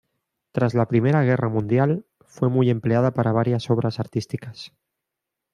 Tras la Primera Guerra Mundial fue muy empleada para varias obras artísticas.